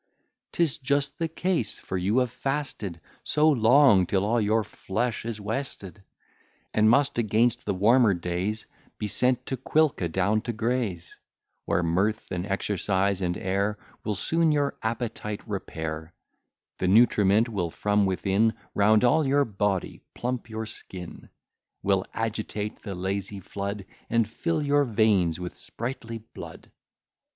'Tis just the case; for you have fasted So long, till all your flesh is wasted; And must against the warmer days Be sent to Quilca down to graze; Where mirth, and exercise, and air, Will soon your appetite repair: The nutriment will from within, Round all your body, plump your skin; Will agitate the lazy flood, And fill your veins with sprightly blood.